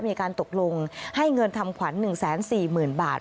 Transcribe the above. มีการตกลงให้เงินทำขวัญ๑๔๐๐๐บาท